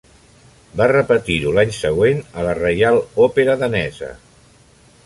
Va repetir-ho l'any següent a la Reial Òpera Danesa.